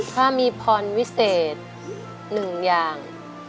ถ้ามีพรวิเศษหนึ่งอย่าง